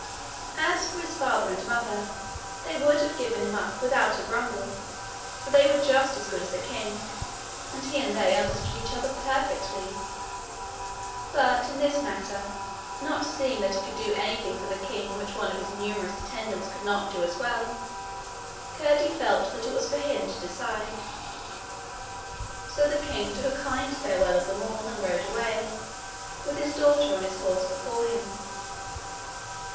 As for his father and mother, they would have given him up without a grumble, for they were just as good as the king, and he and they understood each other perfectly; but in this matter, not seeing that he could do anything for the king which one of his numerous attendants could not do as well, Curdie felt that it was for him to decide. So the king took a kind farewell of them all and rode away, with his daughter on his horse before him.